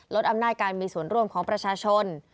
อำนาจการมีส่วนร่วมของประชาชน